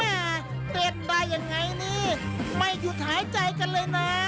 เต้นได้ยังไงนี่ไม่หยุดหายใจกันเลยนะ